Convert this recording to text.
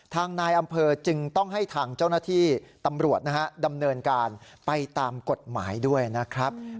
ทางนายอำเภอจึงต้องให้ทางเจ้าหน้าที่ตำรวจนะฮะดำเนินการไปตามกฎหมายด้วยนะครับ